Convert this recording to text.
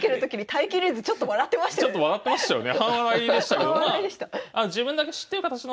ちょっと笑ってましたよね。